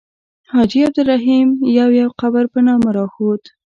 حاجي عبدالرحیم یو یو قبر په نامه راښود.